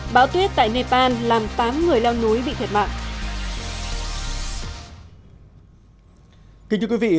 bão tuyết tại nepal làm tám người leo núi bị thiệt mạng